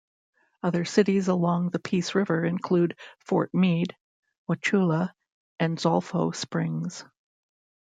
Other cities along the Peace River include Fort Meade, Wauchula and Zolfo Springs.